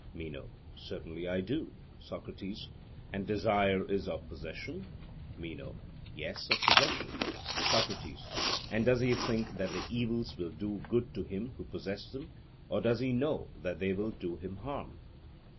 MENO: Certainly I do. SOCRATES: And desire is of possession? MENO: Yes, of possession. SOCRATES: And does he think that the evils will do good to him who possesses them, or does he know that they will do him harm?